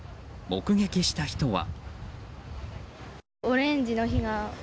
目撃した人は。